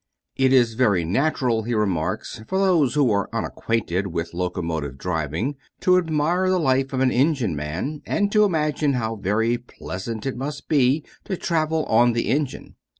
"It is very natural," he remarks, "for those who are unacquainted with locomotive driving to admire the life of an engine man, and to imagine how very pleasant it must be to travel on the engine.